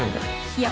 いや